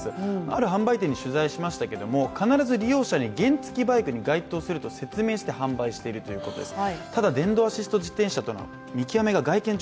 ある販売店に取材しましたけれども必ず利用者に原付バイクに相当すると説明して販売しているということです。